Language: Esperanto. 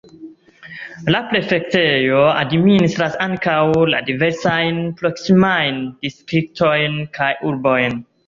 La prefektejo administras ankaŭ la diversajn proksimajn distriktojn kaj urbojn.